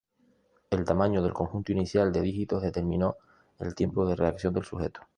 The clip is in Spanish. El tamaño del conjunto inicial de dígitos determinó el tiempo de reacción del sujeto.